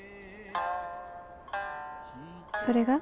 それが？